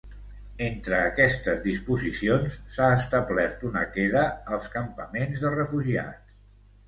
Entre aquestes disposicions, s’ha establert una queda als campaments de refugiats.